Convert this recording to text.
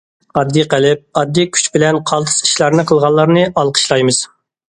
ئاددىي قەلب، ئاددىي كۈچ بىلەن قالتىس ئىشلارنى قىلغانلارنى ئالقىشلايمىز!